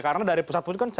karena dari pusat pun itu kan